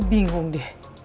ibu bingung deh